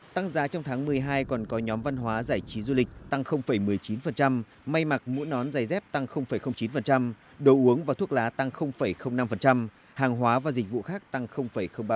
tăng giá trong tháng một mươi hai còn có nhóm văn hóa giải trí du lịch tăng một mươi chín may mặc mũ nón giày dép tăng chín đồ uống và thuốc lá tăng năm hàng hóa và dịch vụ khác tăng ba